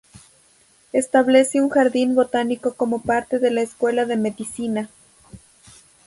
Establece un jardín botánico como parte de la Escuela de Medicina.